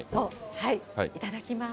いただきます。